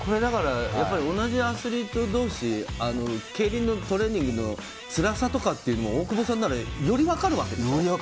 同じアスリート同士、競輪のトレーニングのつらさとかも大久保さんなら、より分かるわけでしょ？